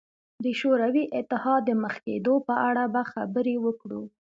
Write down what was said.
د شوروي اتحاد د مخ کېدو په اړه به خبرې وکړو.